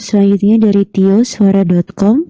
selanjutnya dari tioswara com